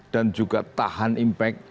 dan juga tahan impact